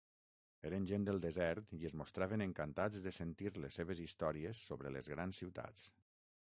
Eren gent del desert i es mostraven encantats de sentir les seves històries sobre les grans ciutats.